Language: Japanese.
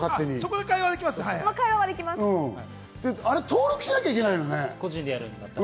登録しなきゃいけないのね。